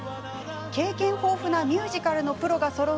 経験豊富なミュージカルのプロがそろう